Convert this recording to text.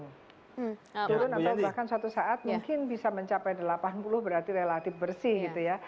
turun atau bahkan suatu saat mungkin bisa mencapai delapan puluh berarti relatif bersih gitu ya